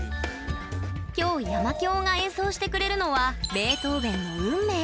今日、山響が演奏してくれるのはベートーベンの「運命」。